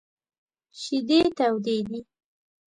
شیدې تودې دي !